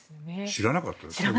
知らなかったです。